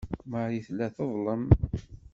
Marie tella teḍlem.